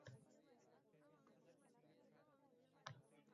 Jonimni ol